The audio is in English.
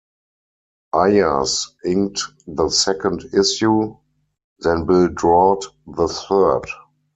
Ayers inked the second issue, then Bill Draut the third.